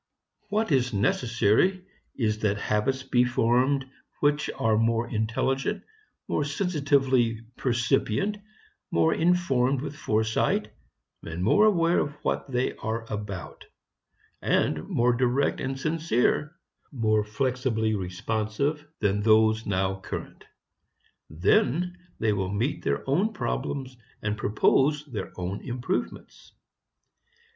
What is necessary is that habits be formed which are more intelligent, more sensitively percipient, more informed with foresight, more aware of what they are about, more direct and sincere, more flexibly responsive than those now current. Then they will meet their own problems and propose their own improvements.